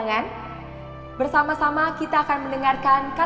ya jadi kayak conat nya